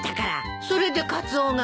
それでカツオが？